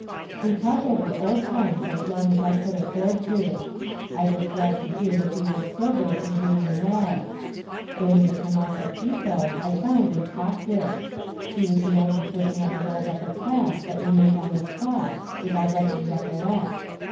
We talked over old times as long as I could afford to. I was glad to hear that he was sober and doing well. Doña Tomasa Pico I found and talked with. She was the only person of the old upper class that remained on the spot, if I rightly recollect.